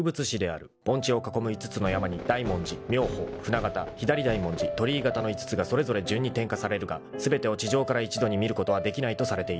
［盆地を囲む５つの山に「大文字」「妙法」「船形」「左大文字」「鳥居形」の５つがそれぞれ順に点火されるが全てを地上から一度に見ることはできないとされている］